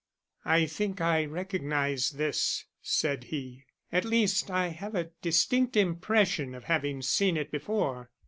"I think I recognize this," said he. "At least I have a distinct impression of having seen it before."